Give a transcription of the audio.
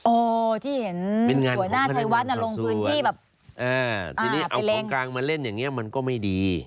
โอ๋ที่เห็นหน่าใช้วัดนรงพื้นที่แบบเอ่อเอาของกลางมาเล่นอย่างเงี้ยมันก็ไม่ดี